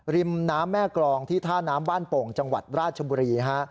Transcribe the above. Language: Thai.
ริมน้ำแม่กรองที่ท่าน้ำบ้านโป่งจังหวัดราชบุรีฮะ